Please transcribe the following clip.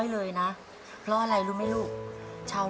ว้าวว้าว